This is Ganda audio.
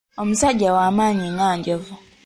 Omusajja wa maanyi nga Enjovu.